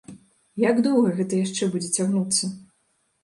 Як доўга гэта яшчэ будзе цягнуцца?